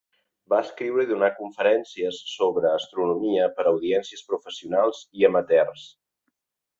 Va escriure i donar conferències sobre astronomia per a audiències professionals i amateurs.